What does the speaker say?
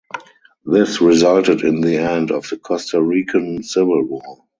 This resulted in the end of the Costa Rican Civil War.